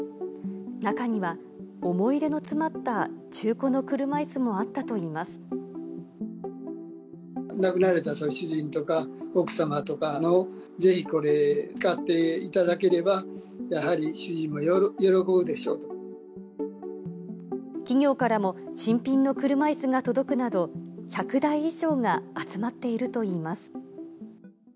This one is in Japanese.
中には、思い出の詰まった中古の亡くなられた主人とか、奥様とかの、ぜひこれ、使っていただければ、企業からも新品の車いすが届くなど、１００台以上が集まっているといいます。